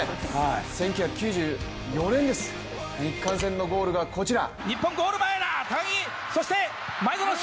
１９９４年です、日韓戦のゴールがこちら。